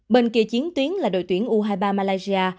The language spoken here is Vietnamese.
bên kia chiến tuyến là đội tuyển u hai mươi ba malaysia